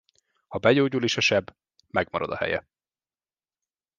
Ha begyógyul is a seb, megmarad a helye.